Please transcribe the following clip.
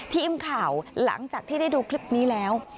ทีมข่าวหลังจากที่ได้ดูคลิปนี้แล้ว